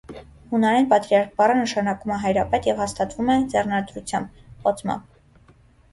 Հունարեն պատրիարք բառը նշանակում է հայրապետ և հաստատվում է ձեռնադրությամբ, օծմամբ։